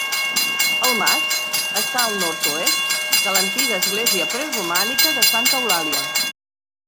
El mas està al nord-oest de l'antiga església preromànica de Santa Eulàlia.